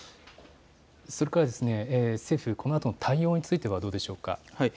政府、このあとの対応についてはどうでしょうか。